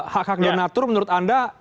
hak hak donatur menurut anda